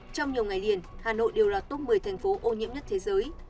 trong nhiều ngày liền hà nội đều là top một mươi thành phố ô nhiễm nhất thế giới